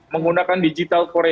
menggunakan digital forensic